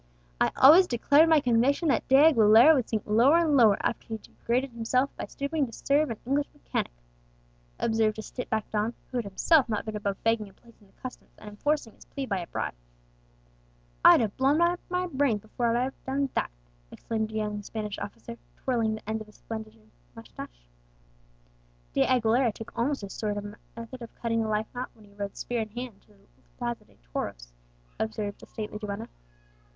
"I always declared my conviction that De Aguilera would sink lower and lower after he degraded himself by stooping to serve an English mechanic," observed a stiff backed don, who had himself not been above begging a place in the customs and enforcing his plea by a bribe. "I'd have blown out my brains before I'd have done that!" exclaimed a young Spanish officer, twirling the end of his slender mustache. "De Aguilera took almost as short a method of cutting the life knot when he rode spear in hand into the Plaza de Toros," observed a stately duenna.